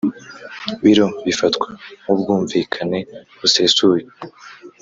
Biro bifatwa ku bwumvikane busesuye